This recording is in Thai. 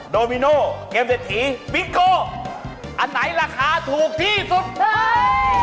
โดมิโนเกมเศรษฐีบิ๊กโกอันไหนราคาถูกที่สุดใช่